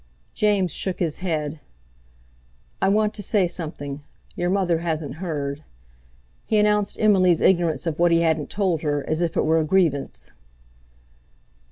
James shook his head. "I want to say something. Your mother hasn't heard." He announced Emily's ignorance of what he hadn't told her, as if it were a grievance.